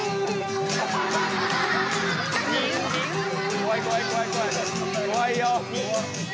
怖い怖い怖い怖い怖いよ。